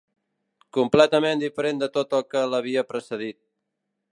Completament diferent de tot el que l'havia precedit